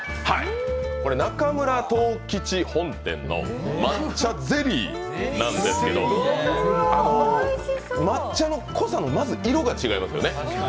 中村藤吉本店の抹茶ゼリイなんですけど抹茶の濃さのまず色が違いますよね。